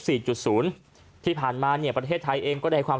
จุดศูนย์ที่ผ่านมาเนี่ยประเทศไทยเองก็ได้ความ